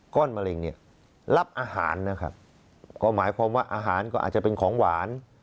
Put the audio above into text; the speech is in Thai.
ความว่าอาหารก็อาจจะเป็นของหวาน